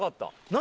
何？